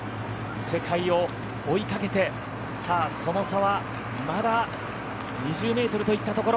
世界を追いかけてさあ、その差はまだ２０ｍといったところ。